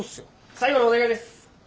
最後のお願いです！